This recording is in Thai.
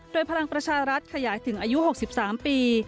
โดยพลังประชารัฐขยายถึงอายุ๖๓ปี